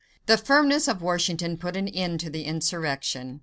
The firmness of Washington put an end to the insurrection.